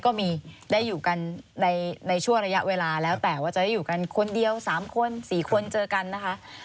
ก็มีได้อยู่กันในช่วงระยะเวลาแล้วแต่ว่าจะได้อยู่กันคนเดียว๓คน๔คนเจอกันนะคะ